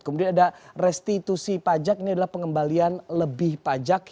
kemudian ada restitusi pajak ini adalah pengembalian lebih pajak